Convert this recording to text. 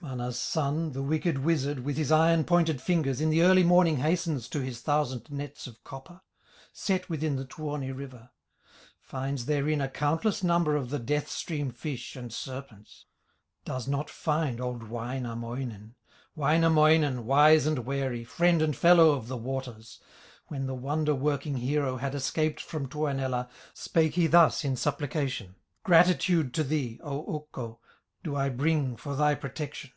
Mana's son, the wicked wizard, With his iron pointed fingers, In the early morning hastens To his thousand nets of copper, Set within the Tuoni river, Finds therein a countless number Of the death stream fish and serpents; Does not find old Wainamoinen, Wainamoinen, wise and wary, Friend and fellow of the waters. When the wonder working hero Had escaped from Tuonela, Spake he thus in supplication: "Gratitude to thee, O Ukko, Do I bring for thy protection!